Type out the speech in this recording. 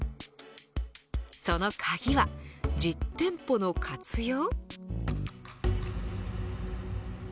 その鍵は、実店舗の活用。